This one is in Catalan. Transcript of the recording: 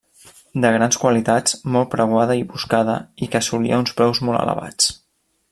De grans qualitats, molt preuada i buscada, i que assolia uns preus molt elevats.